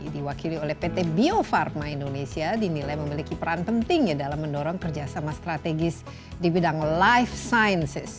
diwakili oleh pt bio farma indonesia dinilai memiliki peran penting dalam mendorong kerjasama strategis di bidang life sciences